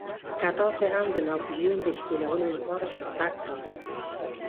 که تاسې هم د ناپلیون د ښکېلولو لپاره شاتګ کوئ.